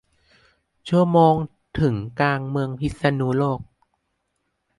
ชั่วโมงถึงกลางเมืองพิษณุโลก